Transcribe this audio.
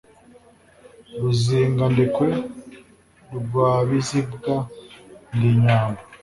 Ruzingandekwe rwa Biziga Ndi inyambo